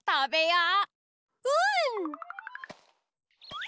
うん！